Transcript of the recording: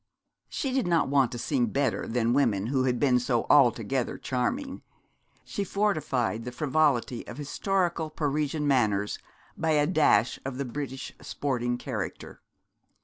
She did not want to seem better than women who had been so altogether charming. She fortified the frivolity of historical Parisian manners by a dash of the British sporting character.